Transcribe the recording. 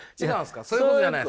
そういうことじゃないんですか？